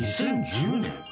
２０１０年？